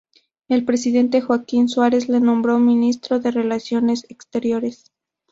El presidente Joaquín Suárez le nombró Ministro de Relaciones Exteriores.